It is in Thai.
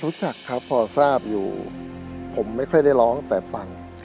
รู้จักครับพอทราบอยู่ผมไม่ค่อยได้ร้องแต่ฟัง